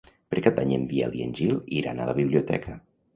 Per Cap d'Any en Biel i en Gil iran a la biblioteca.